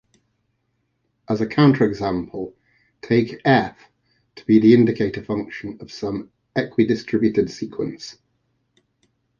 As a counterexample, take "f" to be the indicator function of some equidistributed sequence.